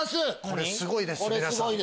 これすごいですよ皆さん。